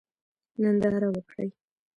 ننداره وکړئ.